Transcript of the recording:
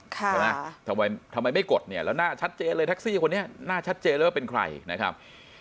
ทำไมทำไมไม่กดเนี่ยแล้วหน้าชัดเจนเลยแท็กซี่คนนี้หน้าชัดเจนเลยว่าเป็นใครนะครับ